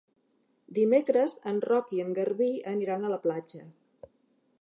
Dimecres en Roc i en Garbí aniran a la platja.